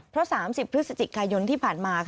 เพราะ๓๐พฤศจิกายนที่ผ่านมา